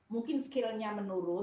mungkin skillnya menurun